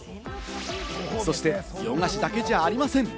そして洋菓子だけじゃありません。